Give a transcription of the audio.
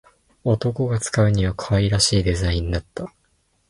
男が使うには可愛らしいデザインだった